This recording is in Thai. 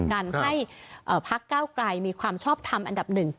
การให้ภักดิ์ก้าวไกรมีความชอบธรรมอันดับหนึ่ง